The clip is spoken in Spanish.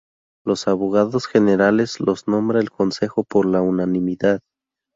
Los abogados generales los nombra el Consejo por unanimidad.